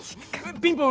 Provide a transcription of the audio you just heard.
ピンポン！